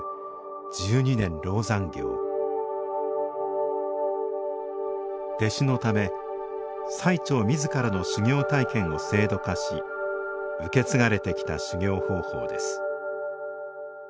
十二年籠山行弟子のため最澄自らの修行体験を制度化し受け継がれてきた修行方法です